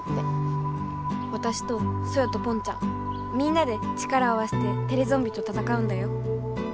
わたしとソヨとポンちゃんみんなで力を合わせてテレゾンビとたたかうんだよ。